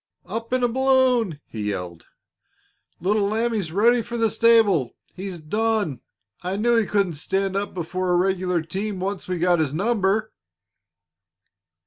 "Up in a balloon!" he yelled. "Little Lambie's ready for the stable. He's done. I knew he couldn't stand up before a regular team once we got his number."